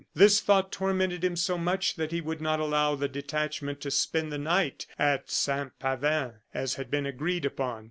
This thought tormented him so much that he would not allow the detachment to spend the night at Saint Pavin, as had been agreed upon.